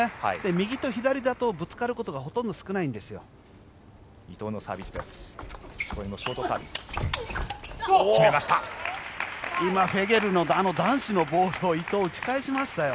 右と左だとぶつかることが少ないんですよ。